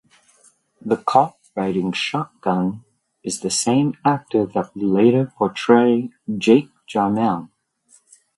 The cop riding shotgun is the same actor that would later portray Jake Jarmel.